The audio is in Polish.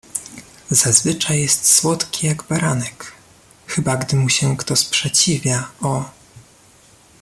"zazwyczaj jest słodki jak baranek; chyba gdy mu się kto sprzeciwia, o!"